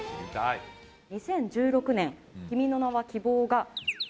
２０１６年、君の名は希望が×××